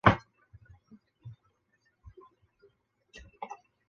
山地树鼩为婆罗洲特有的树鼩属物种。